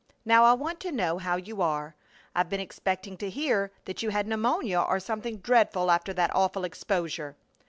Now I want to know how you are. I've been expecting to hear that you had pneumonia or something dreadful after that awful exposure."